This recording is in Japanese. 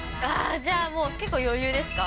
じゃあもう、結構余裕ですか？